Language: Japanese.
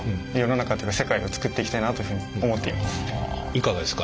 いかがですか？